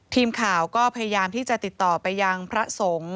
ทีมข่าวก็พยายามที่จะติดต่อไปยังพระสงฆ์